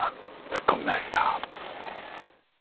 突っ込みました。